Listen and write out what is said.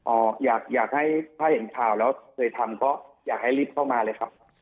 อยากให้ถ้าเห็นข่าวแล้วเคยทำก็อยากให้รีบเข้ามาเลยครับ